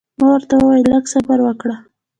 ما ورته وویل لږ صبر وکړه.